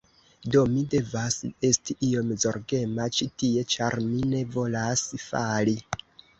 Do, mi devas esti iom zorgema ĉi tie ĉar mi ne volas fali